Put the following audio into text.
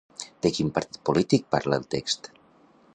De quin partit polític parla el text?